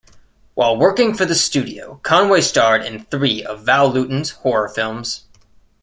While working for the studio, Conway starred in three of Val Lewton's horror films.